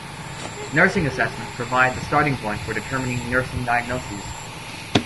Nursing assessments provide the starting point for determining nursing diagnoses.